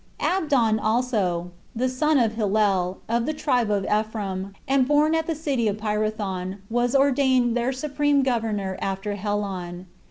15. Abdon also, the son of Hilel, of the tribe of Ephraim, and born at the city Pyrathon, was ordained their supreme governor after Helon.